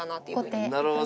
なるほど。